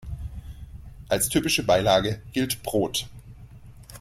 Als typische Beilage gilt Brot.